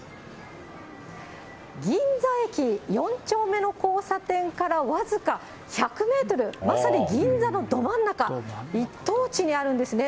銀座駅４丁目の交差点から僅か１００メートル、まさに銀座のど真ん中、一等地にあるんですね。